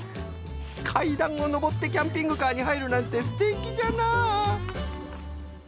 かいだんをのぼってキャンピングカーにはいるなんてすてきじゃな。